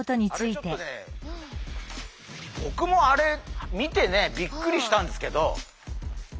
ぼくもあれ見てねびっくりしたんですけど。